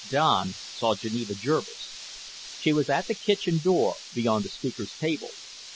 Don saw Geneva Jervis. She was at the kitchen door beyond the speaker's table.